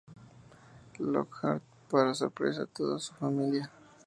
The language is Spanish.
Lockhart para sorpresa de toda su familia.